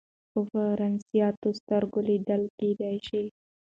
په پرانیستو سترګو لیدل کېدای شي.